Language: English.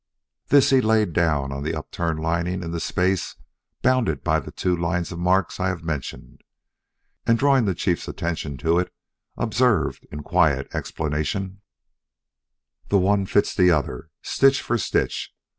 This he laid down on the upturned lining in the space bounded by the two lines of marks I have mentioned, and drawing the Chief's attention to it, observed in quiet explanation: "The one fits the other stitch for stitch.